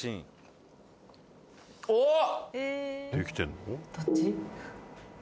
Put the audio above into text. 「おっ！」